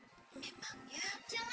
kamu nya yang sama